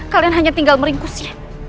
kalian hanya tinggal meringkusin